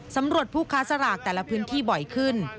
สำหรับผู้ค้าสลากแต่ละพื้นที่บ่อยขึ้น